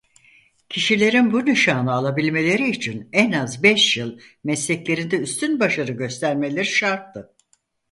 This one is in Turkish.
Kişilerin bu nişanı alabilmeleri için en az beş yıl mesleklerinde üstün başarı göstermeleri şarttı.